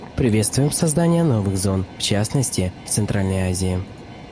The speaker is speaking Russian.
Приветствуем создание новых зон, в частности в Центральной Азии.